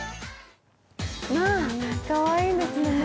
かわいいですね。